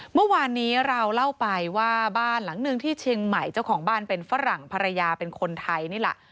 เมื่อวานนี้เราเล่าไปว่าบ้านหลังหนึ่งที่เชียงใหม่เจ้าของบ้านเป็นฝรั่งภรรยาเป็นคนไทยนี่แหละ